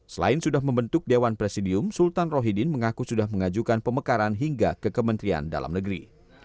selain sudah membentuk dewan presidium sultan rohidin mengaku sudah mengajukan pemekaran hingga ke kementerian dalam negeri